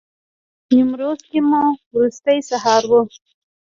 نیمروز کې مو وروستی سهار و.